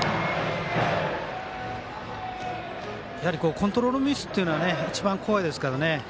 コントロールミスは一番、怖いですからね。